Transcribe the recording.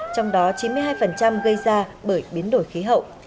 trong đó chín mươi hai gây ra bởi biến đổi khí hậu